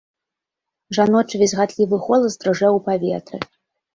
Жаночы візгатлівы голас дрыжэў у паветры.